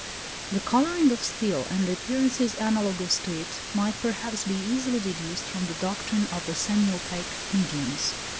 The colouring of steel and the appearances analogous to it, might perhaps be easily deduced from the doctrine of the semi opaque mediums.